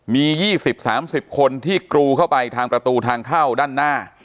มี๒๐๓๐คนที่กรูเข้าไปทางประตูทางเข้าด้านหน้า